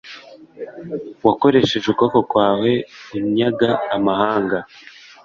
Wakoresheje ukuboko kwawe unyaga amahanga